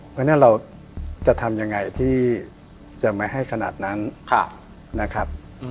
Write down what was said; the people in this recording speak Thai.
เพราะฉะนั้นเราจะทำยังไงที่จะไม่ให้ขนาดนั้นนะครับ